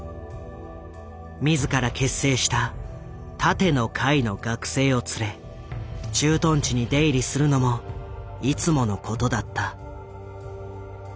自ら結成した「楯の会」の学生を連れ駐屯地に出入りするのもいつものことだった。